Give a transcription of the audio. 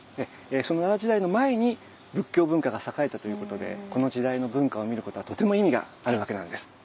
その奈良時代の前に仏教文化が栄えたということでこの時代の文化を見ることはとても意味があるわけなんです。